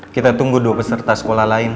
kita tunggu dua peserta sekolah lain